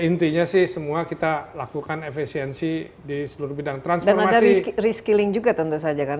intinya sih semua kita lakukan efisiensi di seluruh bidang transformasi reskilling juga tentu saja kan